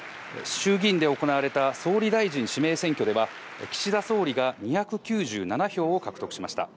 衆議院で行われた総理大臣指名選挙では、岸田総理が２９７票を獲得しました。